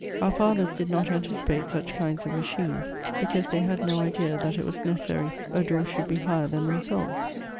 Our fathers did not anticipate such kinds of machines, because they had no idea that it was necessary a door should be higher than themselves.